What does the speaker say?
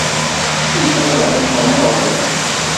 Amek ara ɛelmeɣ ma ɣelḍeɣ?